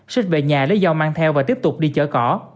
xết về nhà lấy dao mang theo và tiếp tục đi chở cỏ